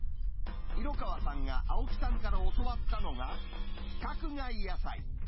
色川さんが青木さんから教わったのが、規格外野菜。